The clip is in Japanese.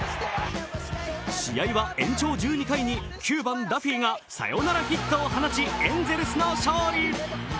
試合は延長１２回に９番・ダフィーがサヨナラヒットを放ちエンゼルスの勝利。